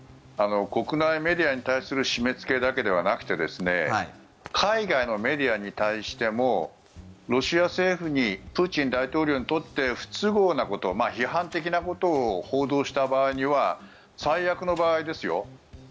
国内メディアに対する締め付けだけではなくて海外のメディアに対してもロシア政府にプーチン大統領にとって不都合なこと批判的なことを報道した場合には最悪の場合ですよ